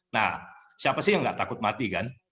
nah siapa sih yang nggak takut mati kan